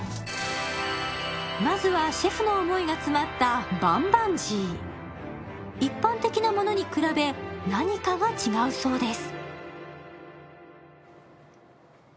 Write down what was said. まずはシェフの思いが詰まった一般的なものに比べ何かが違うそうです